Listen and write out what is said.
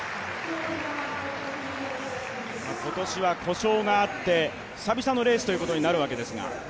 今年は故障があって久々のレースということになるわけですが？